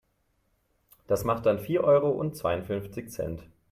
Das macht dann vier Euro und zweiundfünfzig Cent.